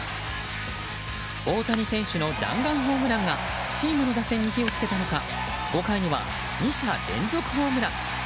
大谷選手の弾丸ホームランがチームの打線に火を付けたのか５回には２者連続ホームラン！